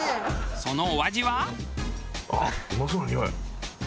そのお味は？